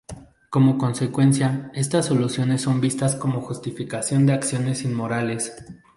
Como consecuencia, estas soluciones son vistas como justificación de acciones inmorales.